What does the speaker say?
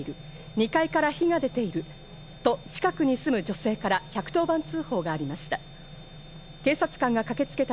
２階から火が出ていると近くに住む女性から１１０番通報がありました。